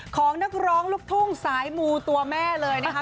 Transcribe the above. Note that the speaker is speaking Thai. ของนักร้องลูกทุ่งสายมูตัวแม่เลยนะคะ